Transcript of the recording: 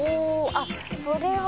あっそれは」